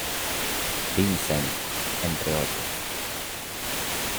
Vincent, entre otros.